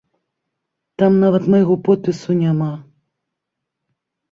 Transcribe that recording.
Там нават майго подпісу няма.